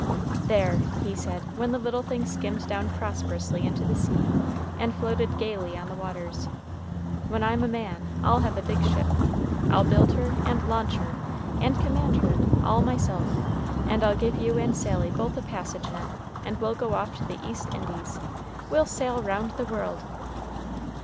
"There!" he said, when the little thing skimmed down prosperously into the sea and floated gayly on the waters, "when I'm a man, I'll have a big ship; I'll build her, and launch her, and command her, all myself; and I'll give you and Sally both a passage in it, and we'll go off to the East Indies we'll sail round the world!"